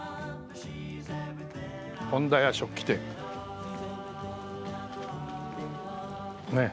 「本田屋食器店」ねえ？